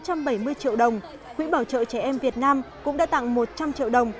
trong chương trình quỹ bảo trợ trẻ em việt nam cũng đã tặng một trăm linh triệu đồng